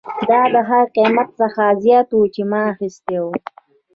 دا د هغه قیمت څخه زیات و چې ما اخیستی و